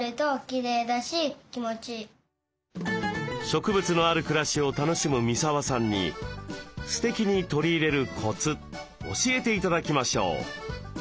植物のある暮らしを楽しむ三沢さんに「ステキに取り入れるコツ」教えて頂きましょう。